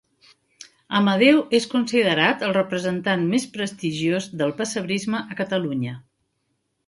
Amadeu és considerat el representant més prestigiós del pessebrisme a Catalunya.